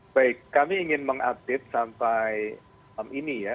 baik kami ingin mengupdate sampai ini ya